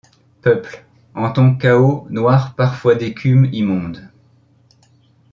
Peuple, en ton chaos, noir parfois d'écume immonde